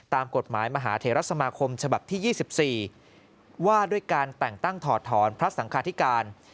ตามกฎหมายมหาเทรสมาคมฉบับที่๒๔ว่าด้วยการแต่งตั้งถอดถอนพระสังคาธิการ